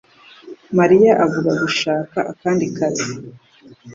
Mariya avuga gushaka akandi kazi